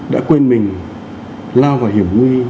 đã quên mình lao vào hiểm nguy